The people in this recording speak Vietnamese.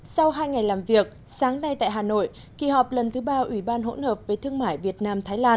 sau hai ngày làm việc sáng nay tại hà nội kỳ họp lần thứ ba ủy ban hỗn hợp về thương mại việt nam thái lan